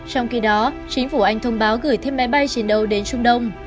trong khi đó chính phủ anh thông báo gửi thêm máy bay chiến đấu đến trung đông